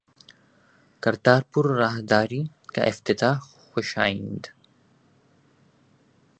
کرتارپور راہداری کا افتتاح خوش آئند